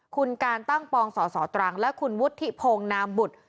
คุณการตั้งปองสสตรังและคุณวุฒิพงศ์นามบุตร